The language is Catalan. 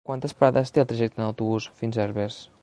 Quantes parades té el trajecte en autobús fins a Herbers?